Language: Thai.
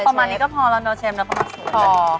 เออประมาณนี้ก็พอแล้วเราเช็มแล้วก็มาสูญพอ